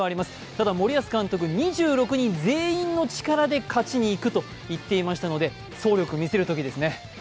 ただ、森保監督、２１人全員の力で勝ちに行くと言っていましたので総力を見せるときですね。